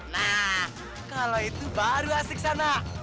nah kalau itu baru asik sana